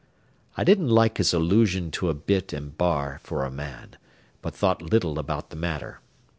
I didn't like his allusion to a bit and bar for a man, but thought little about the matter.